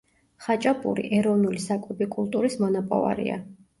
ხაჭაპური ეროვნული საკვები კულტურის მონაპოვარია.